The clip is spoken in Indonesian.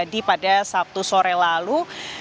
di pada sabtu sore lalu